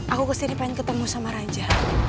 aku kesini pengen ketemu sama raja